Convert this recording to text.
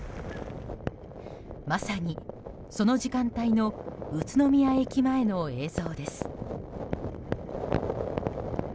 まさに、その時間帯の宇都宮駅前の映像です。